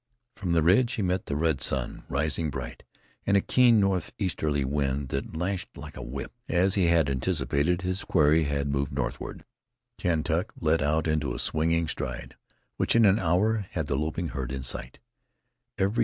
From the ridge he met the red sun, rising bright, and a keen northeasterly wind that lashed like a whip. As he had anticipated, his quarry had moved northward. Kentuck let out into a swinging stride, which in an hour had the loping herd in sight.